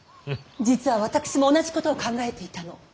実は私も同じことを考えていたの。